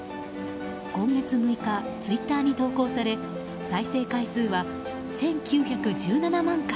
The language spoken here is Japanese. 今月６日、ツイッターに投稿され再生回数は１９１７万回。